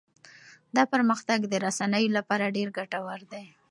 دا پرمختګ د رسنيو لپاره ډېر ګټور دی.